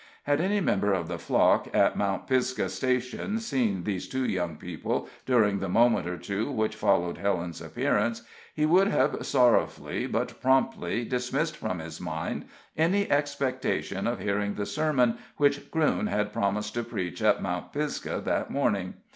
Had any member of the flock at Mount Pisgah Station seen these two young people during the moment or two which followed Helen's appearance, he would have sorrowfully but promptly dismissed from his mind any expectation of hearing the sermon which Crewne had promised to preach at Mount Pisgah that morning.